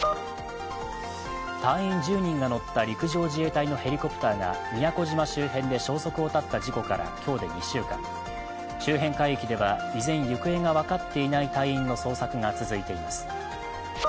隊員１０人が乗った陸上自衛隊のヘリコプターが宮古島周辺で消息を絶った事故から今日で２週間周辺海域では、依然行方が分かっていない隊員の捜索が続いています。